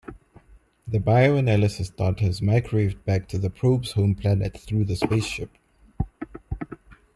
The bio-analysis data is microwaved back to the probe's home planet through the spaceship.